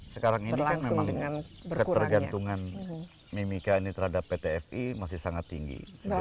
sekarang ini kan memang ketergantungan mimika ini terhadap pt fi masih sangat tinggi